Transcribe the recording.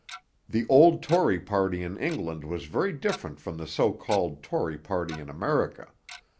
The old Tory party in England was very different from the so called Tory party in America.